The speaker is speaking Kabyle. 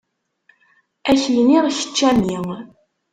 Ad ak-iniɣ kečč a mmi.